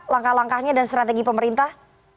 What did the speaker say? langkah langkahnya dan strategi pemerintah